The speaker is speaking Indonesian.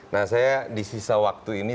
nah saya di sisa waktu ini